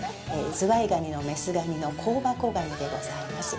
ズワイガニのメスガニの香箱ガニでございます。